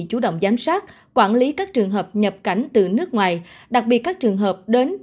chủ động giám sát quản lý các trường hợp nhập cảnh từ nước ngoài đặc biệt các trường hợp đến